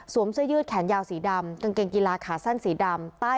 เสื้อยืดแขนยาวสีดำกางเกงกีฬาขาสั้นสีดำใต้